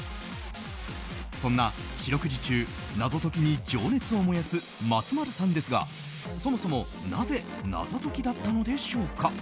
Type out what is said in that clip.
そんな四六時中、謎解きに情熱を燃やす松丸さんですがそもそもなぜ謎解きだったのでしょうか。